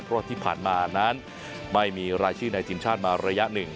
เพราะที่ผ่านมานั้นไม่มีรายชื่อในทีมชาติมาระยะหนึ่ง